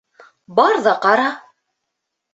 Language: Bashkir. — Бар ҙа ҡара.